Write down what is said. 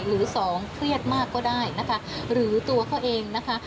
หรือสองเครียดมากก็ได้นะคะหรือตัวเขาเองนะคะ